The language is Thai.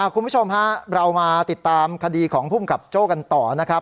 คุณผู้ชมฮะเรามาติดตามคดีของภูมิกับโจ้กันต่อนะครับ